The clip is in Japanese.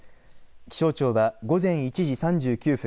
気象庁は午前１時３９分